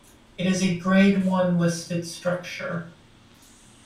It is a grade one listed structure.